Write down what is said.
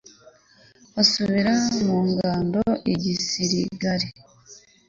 basubira mu ngando i giligali